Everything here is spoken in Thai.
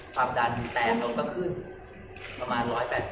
ความดันแตกรถก็ขึ้นประมาณ๑๘๐